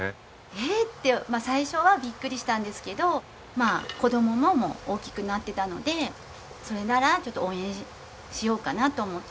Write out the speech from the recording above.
えーっ！って最初はビックリしたんですけどまあ子供ももう大きくなってたのでそれならちょっと応援しようかなと思って。